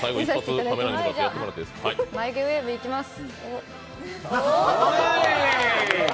まゆげウェーブいきます。